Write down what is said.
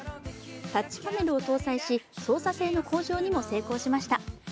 タッチパネルを搭載し操作性の向上にも成功しました。